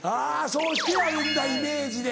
そうしてあるんだイメージで。